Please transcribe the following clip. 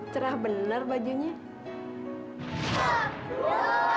cerah benar bajunya